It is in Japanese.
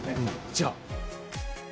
じゃあ。